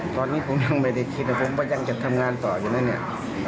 ตอนนี้ผมยังไม่ได้คิดนะผมก็ยังจะทำงานต่ออยู่นะเนี่ย